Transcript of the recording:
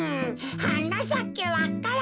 「はなさけわか蘭」